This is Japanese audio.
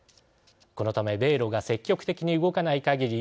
このため米ロが積極的に動かないかぎり